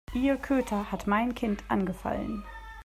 Ihr Köter hat mein Kind angefallen.